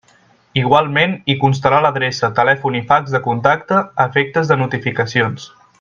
Igualment, hi constarà l'adreça, telèfon i fax de contacte a efectes de notificacions.